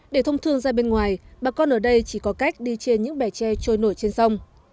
để thông thương ra bên ngoài bà con ở đây chỉ có cách đi trên những bè tre trôi nổi trên sông